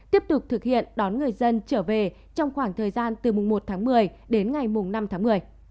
tiếp tục thực hiện đón người dân trở về trong khoảng thời gian từ mùng một tháng một mươi đến ngày mùng năm tháng một mươi